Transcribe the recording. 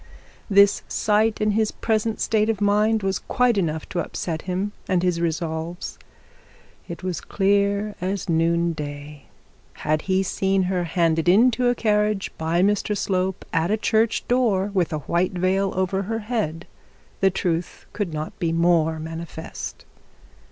The sight in his present state of mind was quite enough to upset him and his resolves. It was clear as noonday. Had he seen her handed into a carriage by Mr Slope at a church door with a white veil over her head, the truth could not be more manifest.